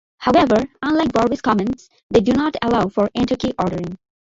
However, unlike Vorbis comments, they do not allow for inter-key ordering.